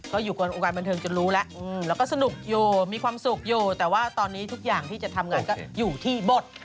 ก็อยู่กันวงการบันเทิงจนรู้แล้วแล้วก็สนุกอยู่มีความสุขอยู่แต่ว่าตอนนี้ทุกอย่างที่จะทำงานก็อยู่ที่บท